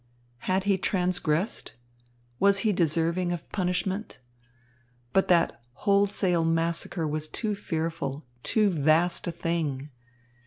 Had he transgressed? Was he deserving of punishment? But that wholesale massacre was too fearful, too vast a thing!